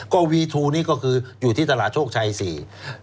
ก็วีทูนี่ก็คืออยู่ที่ตลาดโชคชัยสี่